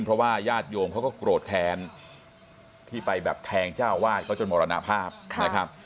เพราะว่าญาติโยมเขาก็โกรธแค้นที่ไปแบบแทงเจ้าวาดเขาจนมรณภาพนะครับ